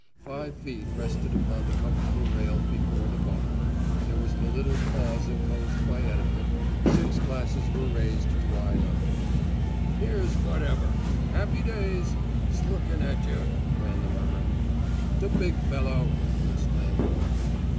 Five feet rested upon the comfortable rail before the bar, there was the little pause imposed by etiquette, six glasses were raised to eye level. "Here's whatever." "Happy days." "S'looking at you," ran the murmur. "The big fellow!" exclaimed one.